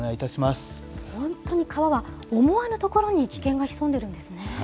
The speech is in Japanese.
本当に川は、思わぬところに危険が潜んでいるんですね。